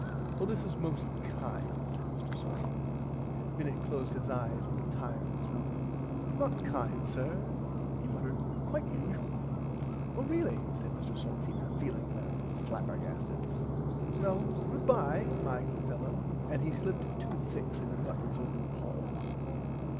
Oh this is most kind said Mr Salteena. Minnit closed his eyes with a tired smile. Not kind sir he muttered quite usual. Oh really said Mr Salteena feeling rather [Pg 47] flabergasted well goodbye my good fellow and he slipped 2/6 into the butlers open palm.